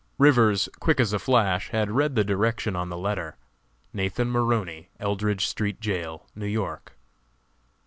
Rivers, quick as a flash, had read the direction on the letter: "Nathan Maroney, Eldridge Street Jail, New York."